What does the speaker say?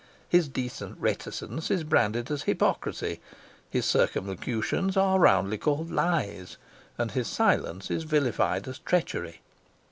His decent reticence is branded as hypocrisy, his circumlocutions are roundly called lies, and his silence is vilified as treachery.